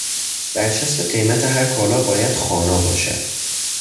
بر چسب قیمت هر کالا باید خوانا باشد.